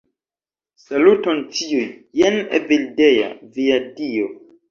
Saluton ĉiuj, jen Evildea, via dio.